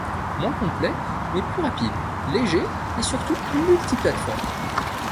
Moins complet, mais plus rapide, léger et surtout multi-plateformes.